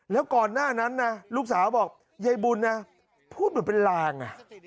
แล้วก่อนหน้านั้นนะลูกสาวบอกยายบุญนะพูดเหมือนเป็นลาง